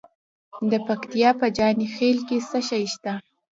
د پکتیا په جاني خیل کې څه شی شته؟